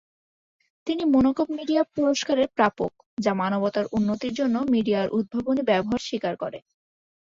তিনি Monaco media পুরস্কারের প্রাপক, যা মানবতার উন্নতির জন্য মিডিয়ার উদ্ভাবনী ব্যবহার স্বীকার করে।